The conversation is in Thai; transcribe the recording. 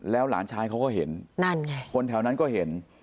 หลานชายเขาก็เห็นนั่นไงคนแถวนั้นก็เห็น